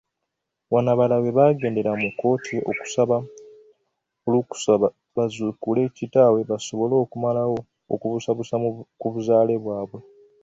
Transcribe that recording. Wano abalala we baagendera mu kkooti okusaba olukusa baziikule kitaabye basobole okumalawo okubuusabussa ku buzaale bwabwe.